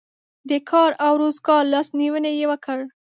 د کار او روزګار لاسنیوی یې وکړ.